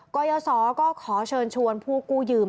กรยศก็ขอเชิญชวนผู้กู้ยืม